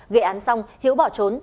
gây án xong hiếu bỏ trốn